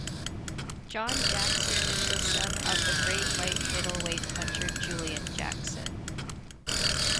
John Jackson is the son of the great light-middleweight puncher Julian Jackson.